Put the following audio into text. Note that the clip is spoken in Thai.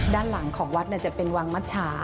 ด้านหลังของเวทรแบนวงมัจฉา